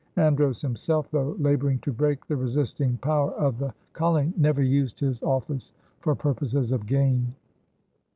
Andros himself, though laboring to break the resisting power of the colony, never used his office for purposes of gain.